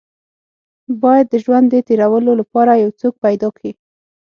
بايد د ژوند د تېرولو لپاره يو څوک پيدا کې.